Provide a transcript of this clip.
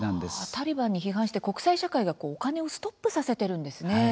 タリバンを批判して国際社会がお金をストップさせているんですね。